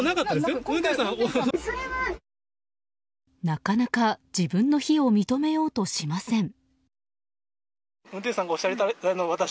なかなか自分の非を認めようとしません。